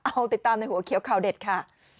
เอาติดตามในหัวเขียวข่าวเด็ดค่ะ